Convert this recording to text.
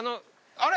あれ？